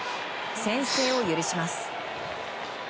先制を許します。